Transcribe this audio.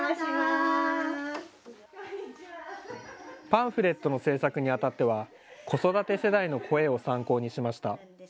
パンフレットの制作にあたっては子育て世代の声を参考にしました。